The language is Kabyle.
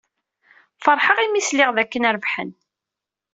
Feṛḥeɣ mi sliɣ dakken rebḥen.